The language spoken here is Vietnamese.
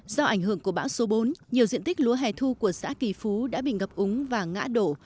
do ảnh hưởng của bão số bốn nhiều diện tích lúa hẻ thu của xã kỳ phú đã bị ngập úng và ngã đổ